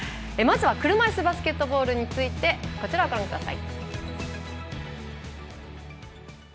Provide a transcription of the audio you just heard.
車いすバスケットボールについてこちらをご覧ください。